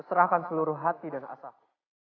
aku akan menyerahkan hatiku dan hatiku